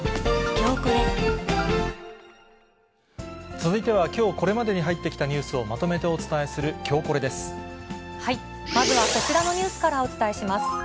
続いては、きょうこれまでに入ってきたニュースをまとめてお伝えする、まずはこちらのニュースからお伝えします。